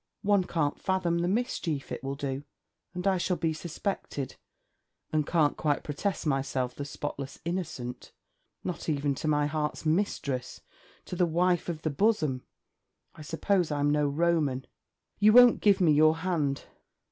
One can't fathom the mischief it will do. And I shall be suspected, and can't quite protest myself the spotless innocent. Not even to my heart's mistress! to the wife of the bosom! I suppose I'm no Roman. You won't give me your hand?